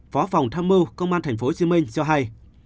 phó phòng tham mưu công an tp hcm cho hay